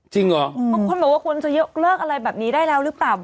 เหรอเพราะคนบอกว่าควรจะยกเลิกอะไรแบบนี้ได้แล้วหรือเปล่า